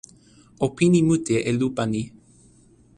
o pini mute e lupa ni.